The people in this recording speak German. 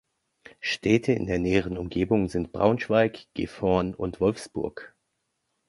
Städte in der näheren Umgebung sind Braunschweig, Gifhorn und Wolfsburg.